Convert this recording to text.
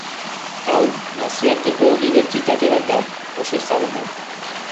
Hau, nazioarteko unibertsitate bat da, oso ezaguna.